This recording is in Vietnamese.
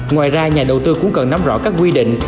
ngoài ra nhà đầu tư cũng cần nắm rõ các quy định